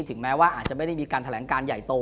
ถึงแม้ว่าอาจจะไม่ได้มีการแถลงการใหญ่โต